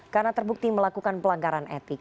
karena terbukti melakukan pelanggaran etik